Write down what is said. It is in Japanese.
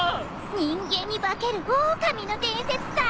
人間に化けるオオカミの伝説さ。